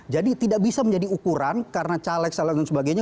jadi tidak bisa menjadi ukuran karena caleg saleg dan sebagainya